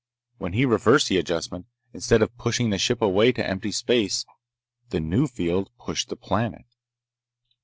When he reversed the adjustment, instead of pushing the ship away to empty space, the new field pushed the planet.